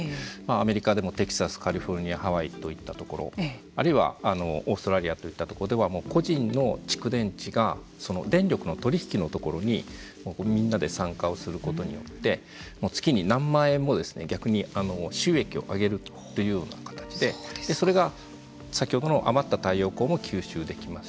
アメリカでもテキサスカリフォルニアハワイといったところあるいはオーストラリアといったとこでは個人の蓄電池が電力の取り引きのところにみんなで参加をすることによって月に何万円も逆に収益を上げるというような形でそれが先ほどの余った太陽光も吸収できます